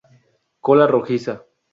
Cola rojiza.